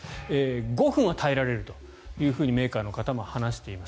５分は耐えられるというふうにメーカーの方も話しています。